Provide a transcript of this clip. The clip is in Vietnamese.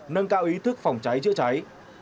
nâng cao ý thức phòng cháy chữa cháy